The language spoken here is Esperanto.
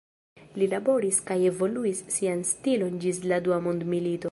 Li laboris kaj evoluis sian stilon ĝis la dua mondmilito.